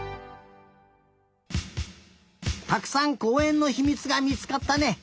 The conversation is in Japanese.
たくさんこうえんのひみつがみつかったね。